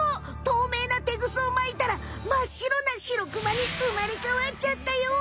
透明なテグスをまいたらまっ白なシロクマにうまれかわっちゃったよ！